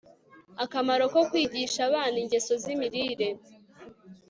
Akamaro ko kwigisha abana ingeso zimirire